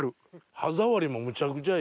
歯触りもむちゃくちゃいい。